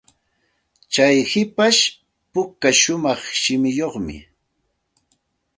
Tsay hipashpuka shumaq shimichayuqmi.